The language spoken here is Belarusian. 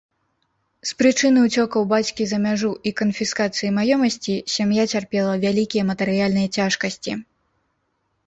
З прычыны ўцёкаў бацькі за мяжу і канфіскацыі маёмасці сям'я цярпела вялікія матэрыяльныя цяжкасці.